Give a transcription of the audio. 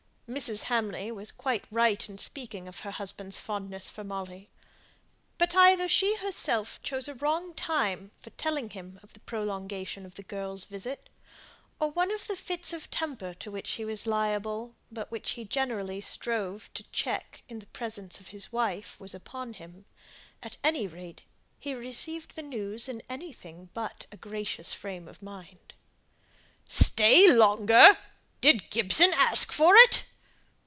Mrs. Hamley was quite right in speaking of her husband's fondness for Molly. But either she herself chose a wrong time for telling him of the prolongation of the girl's visit, or one of the fits of temper to which he was liable, but which he generally strove to check in the presence of his wife, was upon him; at any rate, he received the news in anything but a gracious frame of mind. "Stay longer! Did Gibson ask for it?"